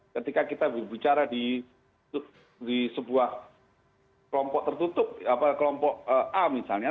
ketika kita berbicara di sebuah kelompok tertutup kelompok a misalnya